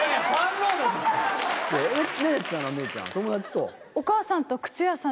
友達と？